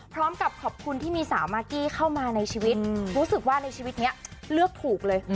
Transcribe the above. พร้อมกับขอบคุณที่มีสาวมากกี้เข้ามาในชีวิตรู้สึกว่าในชีวิตนี้เลือกถูกเลย